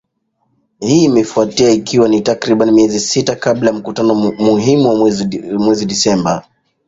Hii imefuatia ikiwa ni takribani miezi sita kabla ya mkutano muhimu wa mwezi Disemba